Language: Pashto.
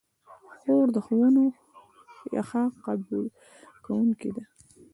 خور د ښوونو ښه قبوله کوونکې ده.